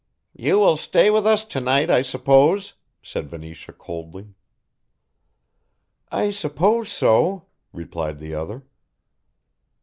"You will stay with us to night, I suppose," said Venetia coldly. "I suppose so," replied the other.